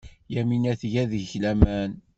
Yamina tga deg-k laman.